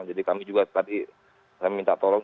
jadi kami juga tadi kami minta tolong